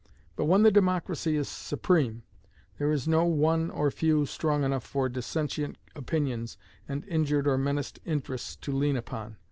But when the democracy is supreme, there is no One or Few strong enough for dissentient opinions and injured or menaced interests to lean upon.